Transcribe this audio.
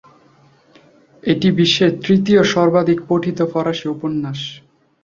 এটি বিশ্বের তৃতীয় সর্বাধিক পঠিত ফরাসি উপন্যাস।